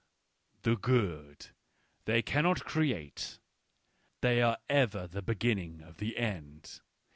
" The good — they cannot create ; they are ever the beginning of the end.